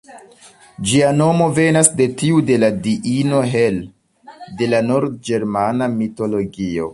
Ĝia nomo venas de tiu de la diino Hel, de la nord-ĝermana mitologio.